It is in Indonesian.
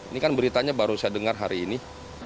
ini kan beritanya baru saya dengar hari ini